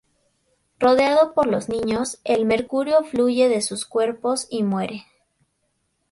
Rodeado por los niños, el mercurio fluye de sus cuerpos, y muere.